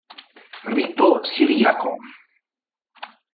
Rito siriaco